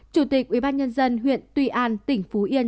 chủ tịch ubnd huyện tuy an tỉnh phú yên